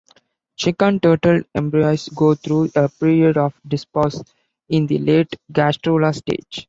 Chicken turtle embryos go through a period of dispause in the late gastrula stage.